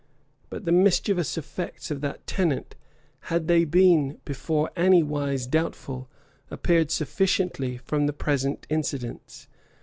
But the mischievous effects of that tenet, had they been before anywise doubtful, appeared sufficiently from the present incidents.